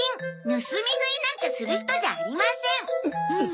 盗み食いなんかする人じゃありません。